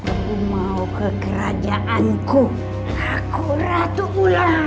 aku mau ke kerajaanku aku ratu ulat